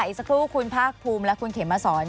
อีกสักครู่คุณภาคภูมิและคุณเขมมาสอน